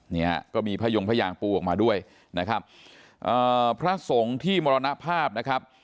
เนี่ยฮะก็มีพระยงพระยางปูออกมาด้วยนะครับเอ่อพระสงฆ์ที่มรณภาพนะครับ